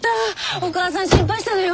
お母さん心配したのよ。